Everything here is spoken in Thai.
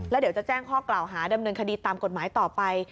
แล้วเดี๋ยวจะแจ้งข้อกล่าวหาดำเนินคดีตามกฎหมายต่อไป